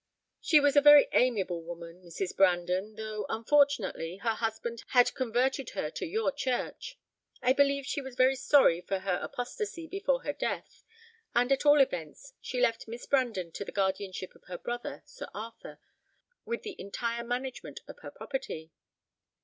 She was a very amiable woman, Mrs. Brandon, though, unfortunately, her husband had converted her to your church. I believe she was very sorry for her apostacy before her death, and, at all events, she left Miss Brandon to the guardianship of her brother, Sir Arthur, with the entire management of her property."